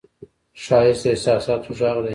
ښایست د احساساتو غږ دی